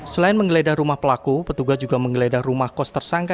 selain menggeledah rumah pelaku petugas juga menggeledah rumah kos tersangka